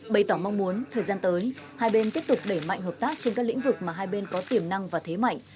bày tỏ mong muốn thời gian tới hai bên tiếp tục đẩy mạnh hợp tác trên các lĩnh vực mà hai bên có tiềm năng và thế mạnh